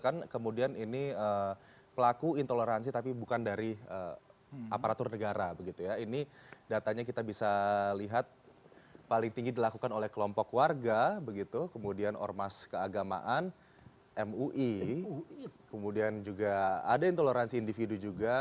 kemudian ormas keagamaan mui kemudian juga ada intoleransi individu juga